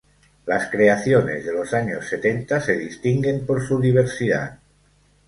Las creaciones de los años setenta se distinguen por su diversidad.